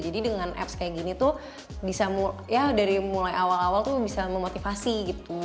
jadi dengan apps kayak gini tuh bisa mulai ya dari mulai awal awal tuh bisa memotivasi gitu